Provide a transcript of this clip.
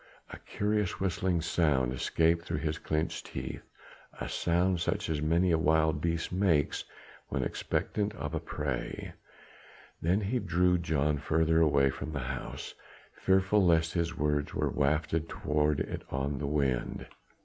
A curious whistling sound escaped through his clenched teeth, a sound such as many a wild beast makes when expectant of prey. Then he drew Jan further away from the house, fearful lest his words were wafted toward it on the wind.